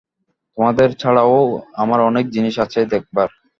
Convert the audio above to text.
তোমাদের ছাড়াও আমার অনেক জিনিষ আছে দেখবার।